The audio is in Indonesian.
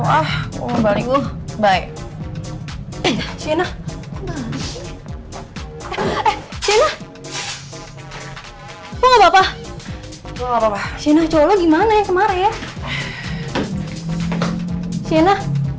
ah mau balik dulu baik sienna sienna apa apa sienna colo gimana ya kemarin sienna